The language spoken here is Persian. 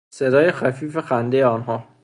صدای خفیف خندهی آنها